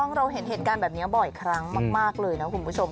เราเห็นเหตุการณ์แบบนี้บ่อยครั้งมากเลยนะคุณผู้ชม